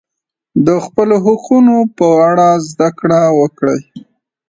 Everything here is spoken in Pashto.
د خپلو حقونو په اړه زده کړه وکړئ.